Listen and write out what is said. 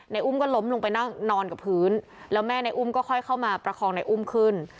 อุ้มก็ล้มลงไปนั่งนอนกับพื้นแล้วแม่ในอุ้มก็ค่อยเข้ามาประคองในอุ้มขึ้น